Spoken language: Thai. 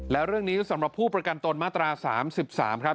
แล้วเรื่องนี้สำหรับผู้ประกันตนมาตรา๓๓ครับ